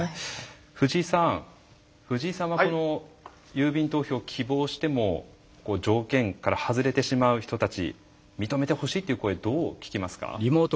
藤井さん、藤井さんはこの郵便投票を希望しても条件から外れてしまう人たち認めてほしいという声どういうふうに聞きますか？